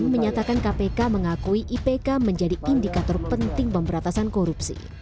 menyatakan kpk mengakui ipk menjadi indikator penting pemberantasan korupsi